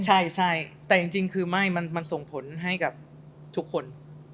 ใช่แต่จริงคือไม่มันส่งผลให้กับทุกคน